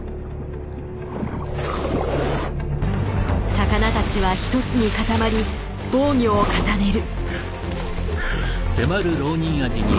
魚たちは一つに固まり防御を固める。